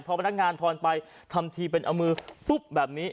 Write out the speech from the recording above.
พอพนักงานทอนไปทำทีเป็นเอามือตุ๊บแบบนี้